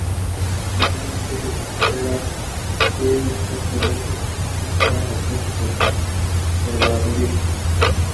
It is unclear at what point Grant officially assumed the title.